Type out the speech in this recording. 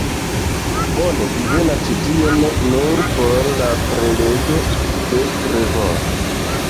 Bone, vi venas ĉi tien nur por la prelego de Trevor